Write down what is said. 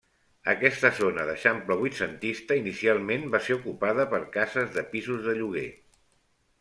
Aquesta zona d'eixample vuitcentista inicialment va ser ocupada per cases de pisos de lloguer.